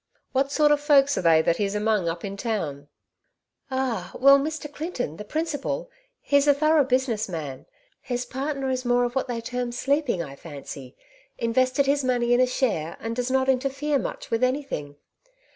What sort of folks are they that he's among up in town ?"" Ah ! well, Mr. Clinton, the principal, he's a Nettie's Neighbours. 141 thorough business man; his partner is more of what they term 'sleeping/ I fancy — ^invested his money in a share^ and does not interfere much with anything.